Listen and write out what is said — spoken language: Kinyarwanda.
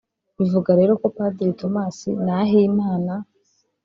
Bivuga rero ko Padiri Thomas Nahimana